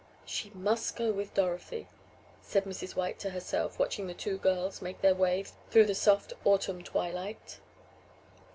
"She must go with Dorothy," said Mrs. White to herself, watching the two girls make their way through the soft autumn twilight.